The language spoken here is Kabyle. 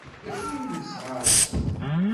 D acu ay nesɛa ass-a?